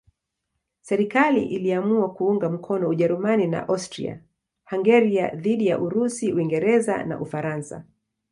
Serikali iliamua kuunga mkono Ujerumani na Austria-Hungaria dhidi ya Urusi, Uingereza na Ufaransa.